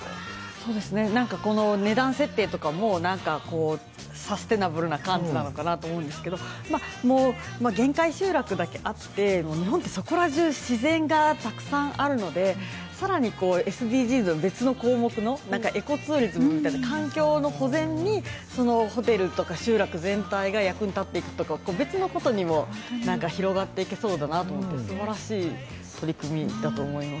この値段設定とかもサステイナブルな感じなのかなという感じなんですけど限界集落だけあって、日本ってそこら中、自然がたくさんあるので、更にＳＤＧｓの別の項目のエコツーリズムみたいな環境の保全にホテルとか集落全体が役に立っていくとか、別のことにも広がっていけそうだなと思って、すばらしい取り組みだと思います。